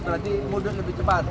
nanti mudah jadi cepat